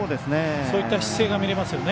そういった姿勢が見えますね。